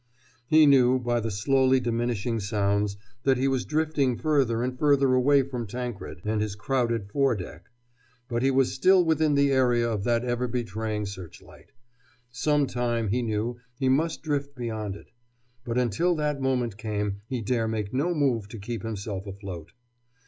He knew, by the slowly diminishing sounds, that he was drifting further and further away from Tankred and his crowded fore deck. But he was still within the area of that ever betraying searchlight. Some time, he knew, he must drift beyond it. But until that moment came he dare make no move to keep himself afloat.